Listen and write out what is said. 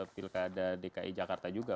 pilkada dki jakarta juga